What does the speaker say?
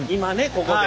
ここで。